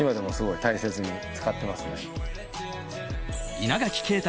稲垣啓太